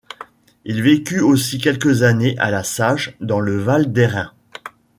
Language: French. Il vécut aussi quelques années à La Sage dans le val d'Hérens.